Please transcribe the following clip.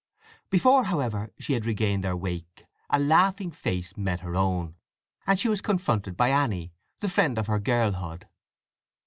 Before, however, she had regained their wake a laughing face met her own, and she was confronted by Anny, the friend of her girlhood.